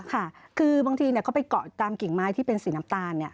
ค่ะคือบางทีเขาไปเกาะตามกิ่งไม้ที่เป็นสีน้ำตาล